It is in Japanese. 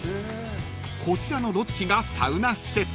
［こちらのロッジがサウナ施設］